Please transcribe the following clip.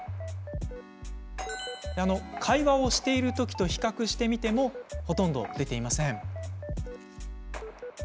会話をしているときと比較してもほとんど出ていません。